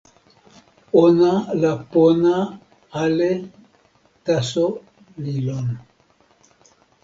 ona la pona ale taso li lon.